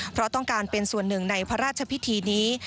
เพราะต้องการเป็นส่วนหนึ่งในพระราชพิธีนี้